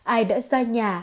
ai đã xa nhà